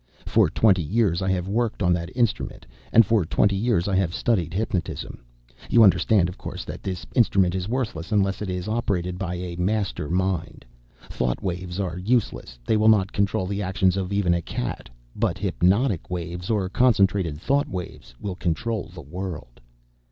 For twenty years I have worked on that instrument, and for twenty years I have studied hypnotism. You understand, of course, that this instrument is worthless unless it is operated by a master mind. Thought waves are useless; they will not control the actions of even a cat. But hypnotic waves or concentrated thought waves will control the world."